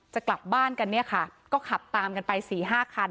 จะกลับบ้านกันเนี่ยค่ะก็ขับตามกันไป๔๕คัน